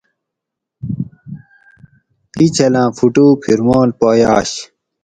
اِیں چھلاۤں فُٹو پھرمال پا یاۤش